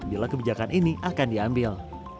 bila kebijakan ini akan diambil